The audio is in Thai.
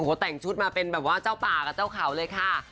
แต่งชุดมาเป็นแบบว่าเจ้าป่ากับเจ้าเขาเลยค่ะ